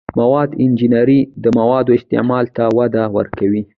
د موادو انجنیری د موادو استعمال ته وده ورکوي.